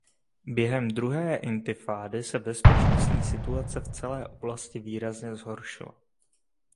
Během Druhé intifády se bezpečnostní situace v celé oblasti výrazně zhoršila.